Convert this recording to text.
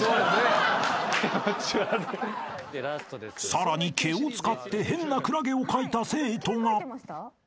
［さらに「毛」を使って変なクラゲを書いた生徒が］